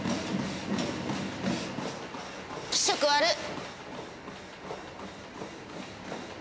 気色悪っ！